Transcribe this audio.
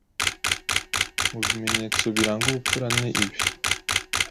mu bimenyetso biranga ubupfura ni ibi